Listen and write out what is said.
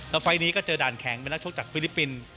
แล้วไฟล์นี้ก็เจอด่านแข็งเป็นนักชกจากฟิลิปปินส์